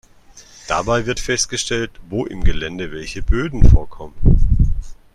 Dabei wird festgestellt, wo im Gelände welche Böden vorkommen.